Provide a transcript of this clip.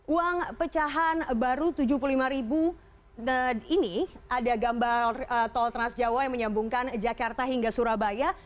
uang pecahan baru tujuh puluh lima ini ada gambar tol trans jawa yang menyambungkan jakarta hingga surabaya